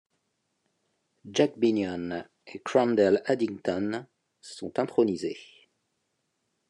Jack Binion et Crandell Addington sont intronisés.